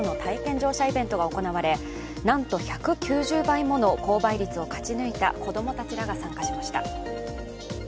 乗車イベントが行われなんと１９０倍もの高倍率を勝ち抜いた子供たちらが参加しました。